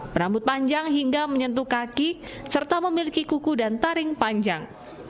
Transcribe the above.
berambut panjang hingga menyentuh kaki serta memiliki kuku dan taring panjang